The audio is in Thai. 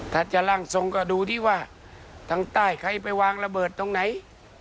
ถ้าจะร่างทรงก็ดูที่ว่าทางใต้ใครไปวางระเบิดตรงไหน